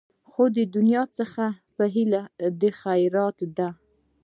خو دنیا څخه په هیله د خیرات دي